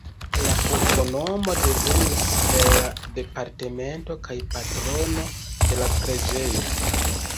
La urbonomo devenis el la departemento kaj patrono de la preĝejo.